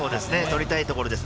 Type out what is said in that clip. とりたいところです。